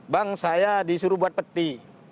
bang saya disuruh buat peti